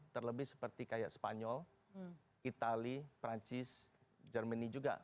terlebih seperti kayak spanyol itali prancis germany juga